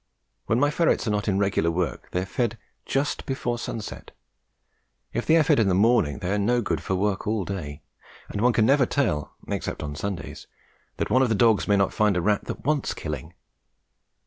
When my ferrets are not in regular work they are fed just before sunset; if they are fed in the morning they are no good for work all day, and one can never tell (except on Sundays) that one of the dogs may not find a rat that wants killing.